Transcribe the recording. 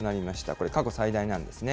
これ、過去最大なんですね。